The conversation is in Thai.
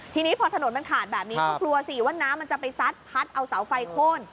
ทีนี้พอถนนมันขาดแบบนี้ก็กลัวสิว่าน้ำมันจะไปซัดพัดเอาเสาไฟโค้น